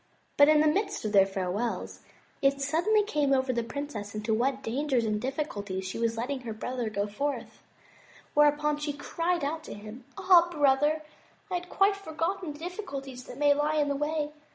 But in the midst of their farewells, it suddenly came over the princess into what dangers and difficulties she was letting her brother go forth; whereupon she cried out to him, "Ah, brother, I had quite forgotten the difficulties that may lie in the way.